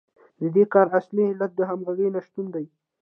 د دې کار اصلي علت د همغږۍ نشتون دی